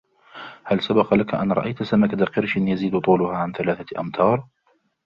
هل سبق لك أن رأيت سمكة قرش يزيد طولها عن ثلاثة أمتار؟